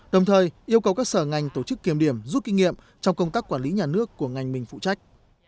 đồng thời yêu cầu các sở ngành tổ chức kiểm điểm rút kinh nghiệm trong công tác quản lý nhà nước của ngành mình phụ trách